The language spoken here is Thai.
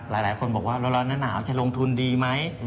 หลายคนบอกว่าร้อนหนาวจะลงทุนดีไหม